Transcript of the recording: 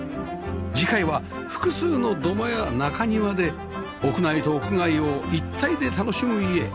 次回は複数の土間や中庭で屋内と屋外を一体で楽しむ家